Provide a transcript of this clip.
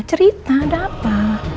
cerita ada apa